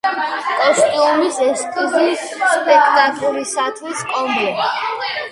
კოსტიუმის ესკიზი სპექტაკლისათვის „კომბლე“.